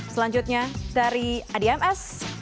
selanjutnya dari adms